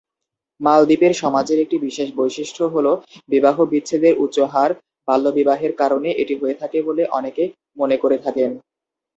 মালদ্বীপের সমাজের একটি বিশেষ বৈশিষ্ট্য হলো বিবাহ বিচ্ছেদের উচ্চ হার, বাল্যবিবাহের কারণে এটি হয়ে থাকে বলে অনেকে মনে করে থাকেন।